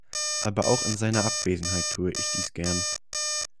Aber auch in seiner Abwesenheit tue ich dies gern.